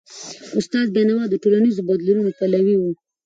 استاد بینوا د ټولنیزو بدلونونو پلوی و.